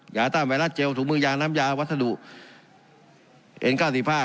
ยาต้านไวรัสเจลถุงมือยางน้ำยาวัสดุเอ็นเก้าสิบห้า